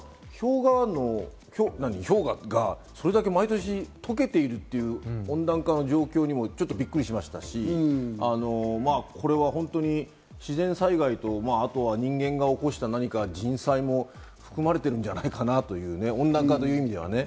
氷河がそれだけ毎年溶けているという、温暖化の状況にもちょっとびっくりしましたし、これは本当に自然災害と、あとは人間が起こした何か人災も含まれてるんじゃないかなと言うね、温暖化という意味ではね。